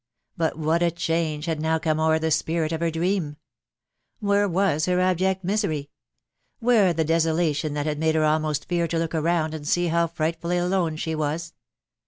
But what a change had now come o'er the spirit of her dream !.... Where was her abject misery ? Where the desolation that had made her almost fear to look around and see how frightfully aTone she was